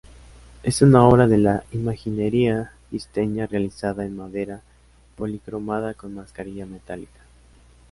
Es una obra de la imaginería quiteña realizada en madera policromada con mascarilla metálica.